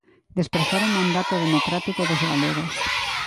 Desprazar o mandato democrático dos galegos.